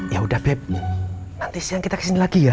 yaudah beb nanti siang kita kesini lagi ya